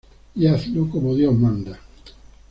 y hazlo como Dios manda.